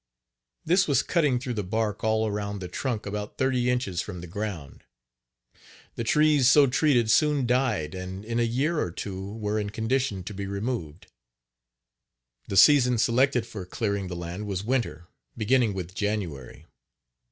This was cutting through the bark all around the trunk about thirty inches from the ground. The trees so treated soon died and in a year or two were in condition to be removed. The season selected for clearing the land was winter, beginning with January.